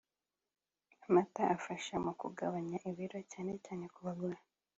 Amata afasha mu kugabanya ibiro cyane cyane ku bagore